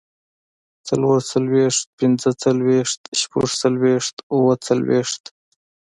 څلورڅلوېښت، پينځهڅلوېښت، شپږڅلوېښت، اووهڅلوېښت